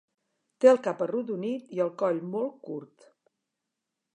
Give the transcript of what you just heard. Té el cap arrodonit i el coll molt curt.